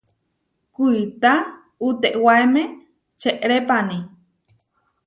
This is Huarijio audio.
Kuitá utewáeme čeʼrépani.